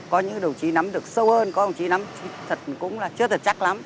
có những đồng chí nắm được sâu hơn có ông chí nắm thật cũng là chưa thật chắc lắm